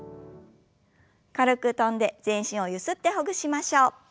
軽く跳んで全身をゆすってほぐしましょう。